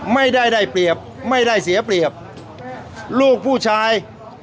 ไม่ได้ได้เปรียบไม่ได้เสียเปรียบลูกผู้ชาย